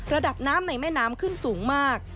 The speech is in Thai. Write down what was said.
ระดับน้ำในแม่น้ำขึ้นสูงมาก